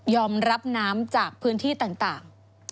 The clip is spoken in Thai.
รับน้ำจากพื้นที่ต่าง